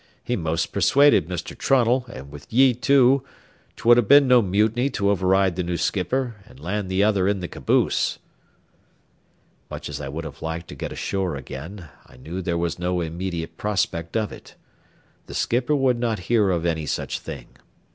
He most persuaded Mr. Trunnell, an' wid ye too, 'twould ha' been no mutiny to override the new skipper, an' land th' other in th' caboose." Much as I would have liked to get ashore again, I knew there was no immediate prospect of it. The skipper would not hear of any such thing.